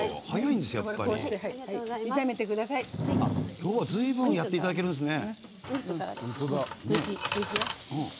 今日は、ずいぶんやっていただけるんですね。